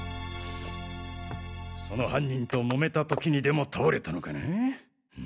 その犯人ともめた時にでも倒れたのかな？